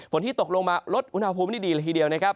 ที่ตกลงมาลดอุณหภูมิได้ดีเลยทีเดียวนะครับ